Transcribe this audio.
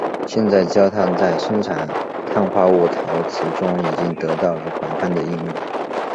现在焦炭在生产碳化物陶瓷中已经得到了广泛的应用。